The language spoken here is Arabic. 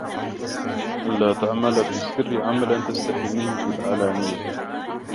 أَنْ لَا تَعْمَلَ فِي السِّرِّ عَمَلًا تَسْتَحِي مِنْهُ فِي الْعَلَانِيَةِ